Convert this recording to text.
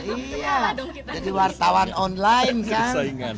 iya dong jadi wartawan online kan